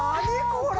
これ。